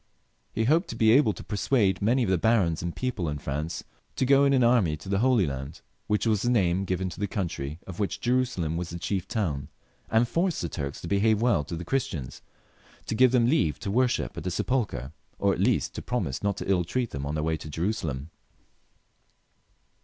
He hoped to be able to persuade many of the barons and people in France to go in an army to the Holy Land, which was the name given to the country of which Jerusalem was the diief town, and force the Turks to behave well to the Christians, to give them leave to worship at the sepulchre, or at least to promise not to ill treat them on their way to Jerusalem.